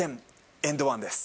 エンドワンです。